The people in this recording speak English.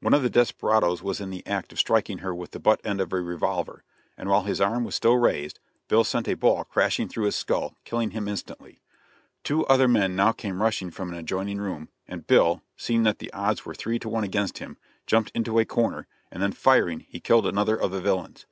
One of the desperadoes was in the act of striking her with the butt end of a revolver, and while his arm was still raised, Bill sent a ball crashing through his skull, killing him instantly. Two other men now came rushing from an adjoining room, and Bill, seeing that the odds were three to one against him, jumped into a corner, and then firing, he killed another of the villains.